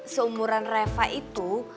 seumuran reva itu